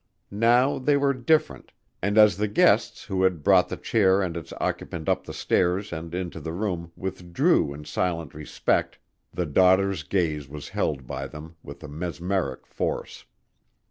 Now they were different, and as the guests who had brought the chair and its occupant up the stairs and into the room withdrew in silent respect, the daughter's gaze was held by them with a mesmeric force.